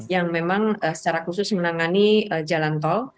yang memang secara khusus menangani jalan tol